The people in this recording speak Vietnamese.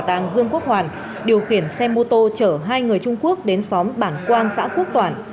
tàng dương quốc hoàn điều khiển xe mô tô chở hai người trung quốc đến xóm bản quan xã quốc toản